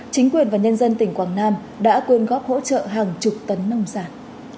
chính quyền và nhân dân tỉnh quảng nam đã quyên góp hỗ trợ hàng chục tấn nông sản